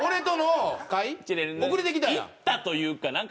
行ったというかなんか。